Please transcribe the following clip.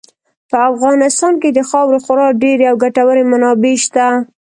په افغانستان کې د خاورې خورا ډېرې او ګټورې منابع شته.